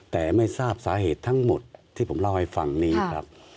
แต่ไม่ทราบสาเหตุทั้งหมดที่ผมเล่าให้ฟังนี้ครับ